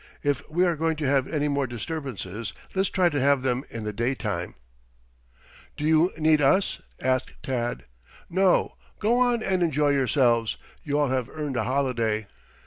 If we are going to have any more disturbances let's try to have them in the daytime." "Do you need us?" asked Tad. "No. Go on and enjoy yourselves. You all have earned a holiday."